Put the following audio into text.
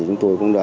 chúng tôi cũng đã